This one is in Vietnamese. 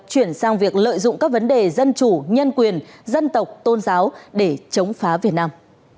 chuyển sang việc lợi dụng các vấn đề dân chủ nhân quyền dân tộc tôn giáo để chống phá việt nam